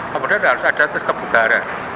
kemudian harus ada tes kebugaran